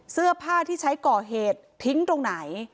เสื้อผ้าที่ใช้ก่อเหตุทิ้งตรงไหน